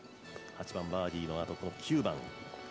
８番バーディーのあと、９番。